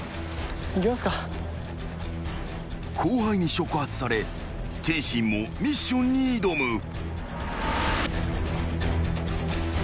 ［後輩に触発され天心もミッションに挑む］